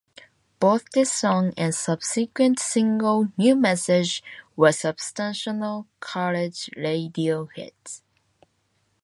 Both this song, and subsequent single "New Message", were substantial college radio hits.